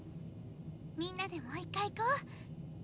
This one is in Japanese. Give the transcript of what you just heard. みんなでもう一回行こう。